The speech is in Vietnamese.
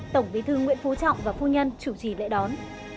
tổng bí thư nguyễn phú trọng và phu nhân chủ trì lễ đón